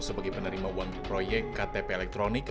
sebagai penerima uang di proyek ktp elektronik